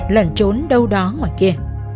lẩn trốn đâu đó ngoài kia